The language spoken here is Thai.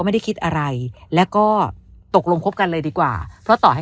ไม่ได้คิดอะไรแล้วก็ตกลงคบกันเลยดีกว่าเพราะต่อให้